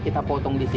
kita potong di sini